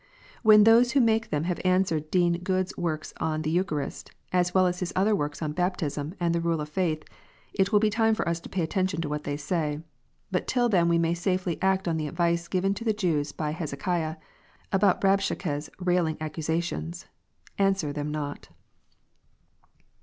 When those who make them have answered Dean Goode s work on the Eucharist, as well as his other works on Baptism and the Rule of Faith, it will be time for us to pay attention to what they say. But till then we may safely act on the advice given to the Jews by Hezekiah about Rabshakeh s railing accusations, " Answer them not."